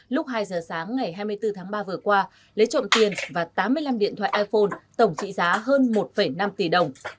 lúc hai giờ sáng ngày hai mươi bốn tháng ba vừa qua lấy trộm tiền và tám mươi năm điện thoại iphone tổng trị giá hơn một năm tỷ đồng